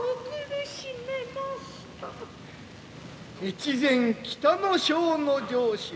越前北ノ庄の城主